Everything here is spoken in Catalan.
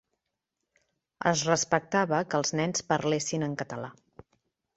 Es respectava que els nens parlessin en català.